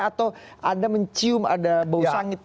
atau anda mencium ada bau sangit